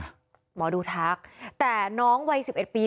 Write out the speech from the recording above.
หมอดูทักแต่น้องวัย๑๑ปี